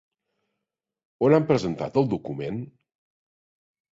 On han presentat el document?